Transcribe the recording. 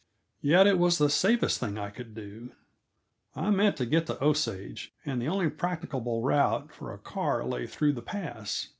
Yet it was the safest thing I could do. I meant to get to Osage, and the only practicable route for a car lay through the pass.